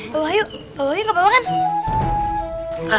bawa yuk bawa yuk gak apa apa kan